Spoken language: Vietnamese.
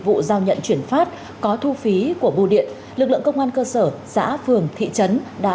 vụ giao nhận chuyển phát có thu phí của bưu điện lực lượng công an cơ sở xã phường thị trấn đã